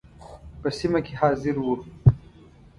په سیمه کې حاضر وو.